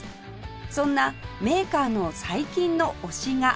そんなメーカーの最近の推しが面白文具